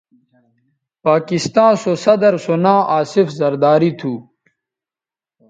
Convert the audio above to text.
پاکستاں سو صدرسو ناں آصف زرداری تھو